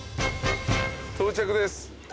到着です。